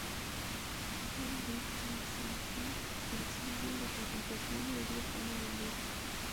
You give me something, el single de presentación, le dio fama mundial.